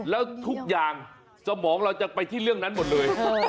แล้วทุกอย่างสมองเราจะไปที่เรื่องนั้นหมดเลย